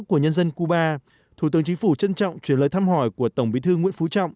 của nhân dân cuba thủ tướng chính phủ trân trọng truyền lời thăm hỏi của tổng bí thư nguyễn phú trọng